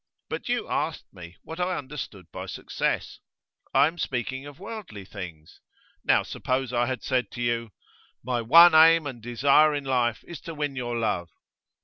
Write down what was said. But you asked me what I understood by success. I am speaking of worldly things. Now suppose I had said to you: My one aim and desire in life is to win your love.